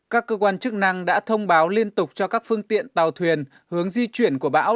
các cơ quan chức năng đã thông báo liên tục cho các phương tiện tàu thuyền hướng di chuyển của bão